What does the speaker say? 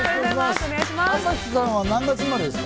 朝日さんは何月生まれですか？